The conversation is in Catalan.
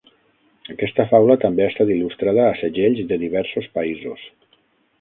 Aquesta faula també ha estat il·lustrada a segells de diversos països.